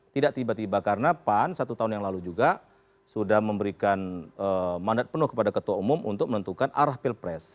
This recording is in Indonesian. tidak tiba tiba karena pan satu tahun yang lalu juga sudah memberikan mandat penuh kepada ketua umum untuk menentukan arah pilpres